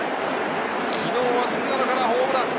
昨日は菅野からホームラン。